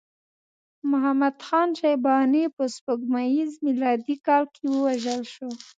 محمد خان شیباني په سپوږمیز میلادي کال کې ووژل شو.